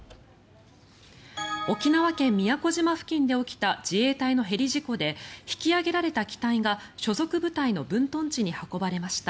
沖縄県・宮古島付近で起きた自衛隊のヘリ事故で引き揚げられた機体が所属部隊の分屯地に運ばれました。